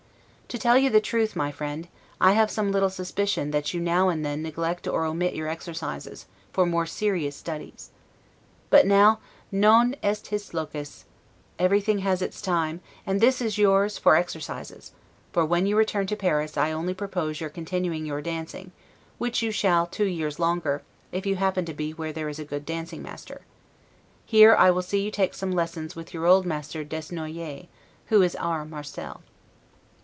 To tell you the truth, my friend, I have some little suspicion that you now and then neglect or omit your exercises, for more serious studies. But now 'non est his locus', everything has its time; and this is yours for your exercises; for when you return to Paris I only propose your continuing your dancing; which you shall two years longer, if you happen to be where there is a good dancing master. Here I will see you take some lessons with your old master Desnoyers, who is our Marcel.